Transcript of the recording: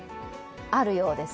あるようです。